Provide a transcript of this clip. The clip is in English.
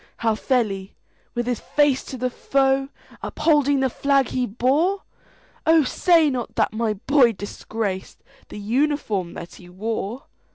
"How fell he,—with his face to the foe, Upholding the flag he bore? Oh, say not that my boy disgracedThe uniform that he wore!"